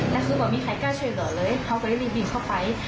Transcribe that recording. ถ้าคือว่ามีใครกล้าช่วยต่อเลยพ่อคงไป